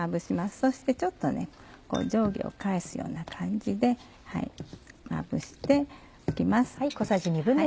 そしてちょっと上下を返すような感じでまぶしておきます。